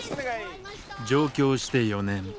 上京して４年。